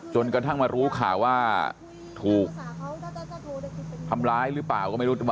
จนกระทั่งมารู้ข่าวว่าถูกทำร้ายหรือเปล่าก็ไม่รู้